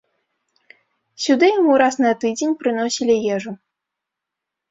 Сюды яму раз на тыдзень прыносілі ежу.